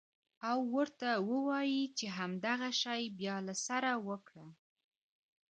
او ورته ووايې چې همدغه شى بيا له سره وکره.